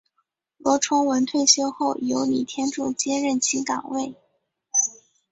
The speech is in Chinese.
罗崇文退休后由李天柱接任其岗位。